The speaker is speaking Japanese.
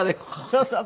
そうそう。